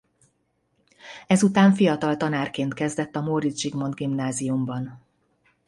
Ezután fiatal tanárként kezdett a Móricz Zsigmond Gimnáziumban.